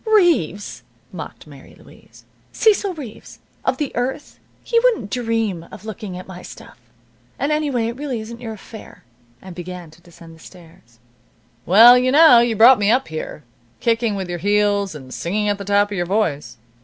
"Reeves!" mocked Mary Louise. "Cecil Reeves, of The Earth? He wouldn't dream of looking at my stuff. And anyway, it really isn't your affair." And began to descend the stairs. "Well, you know you brought me up here, kicking with your heels, and singing at the top of your voice.